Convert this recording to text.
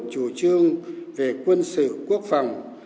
chủ trương về quân sự quốc phòng